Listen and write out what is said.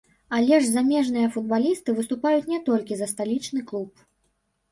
Але ж замежныя футбалісты выступаюць не толькі за сталічны клуб.